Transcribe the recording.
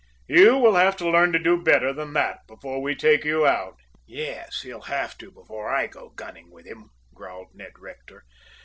"You will have to learn to do better than that before we take you out." "Yes, he'll have to before I go gunning with him," growled Ned Rector.